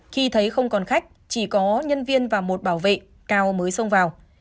khi thấy không còn khách chỉ có nhân viên và một bảo vệ cao mới xông vào